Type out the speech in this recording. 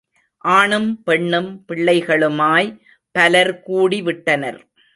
ஆணும் பெண்ணும் பிள்ளைகளுமாய் பலர் கூடிவிட்டனர்.